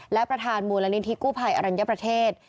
และประธานมูลนิธิกู้ภัยอรัญญประเทศ